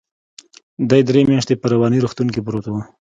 دى درې مياشتې په رواني روغتون کې پروت و.